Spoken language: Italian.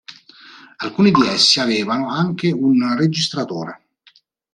Alcuni di essi avevano anche un registratore.